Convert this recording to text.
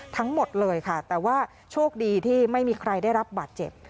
ทั้งหมดเลยค่ะแต่ว่าโชคดีที่ไม่มีใครได้รับบาดเจ็บ